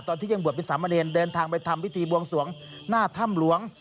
ที่ยังบวชเป็นสามเณรเดินทางไปทำพิธีบวงสวงหน้าถ้ำหลวง